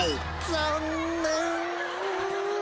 残念！